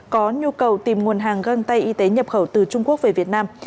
có nhu cầu tìm nguồn hàng găng tay y tế nhập khẩu từ trung quốc về việt nam